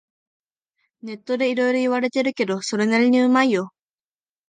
ネットでいろいろ言われてるけど、それなりにうまいよ